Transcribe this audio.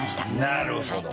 なるほど。